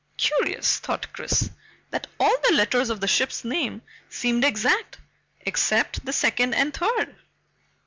Curious, thought Chris, that all the letters of the ship's name seemed exact except the second and third.